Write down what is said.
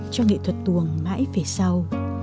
cho nghệ thuật tù mãi về sau